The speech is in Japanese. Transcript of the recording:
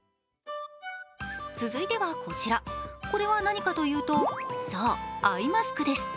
続いてはこちら、これは何かというと、そう、アイマスクです。